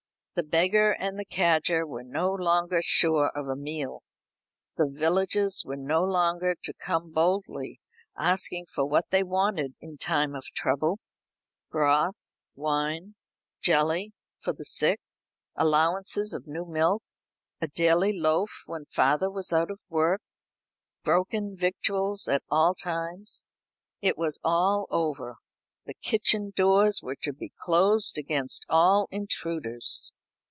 The beggar and the cadger were no longer sure of a meal. The villagers were no longer to come boldly asking for what they wanted in time of trouble broth, wine, jelly, for the sick, allowances of new milk, a daily loaf when father was out of work, broken victuals at all times. It was all over. The kitchen doors were to be closed against all intruders.